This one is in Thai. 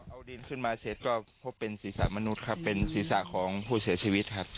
เอาดินขึ้นมาเสร็จก็พบเป็นศีรษะมนุษย์ครับเป็นศีรษะของผู้เสียชีวิตครับ